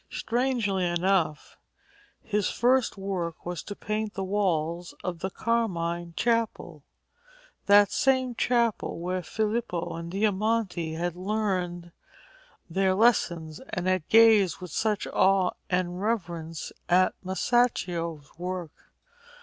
Strangely enough, his first work was to paint the walls of the Carmille Chapel that same chapel where Filippo and Diamante had learned their lessons, and had gazed with such awe and reverence on Masaccio's work.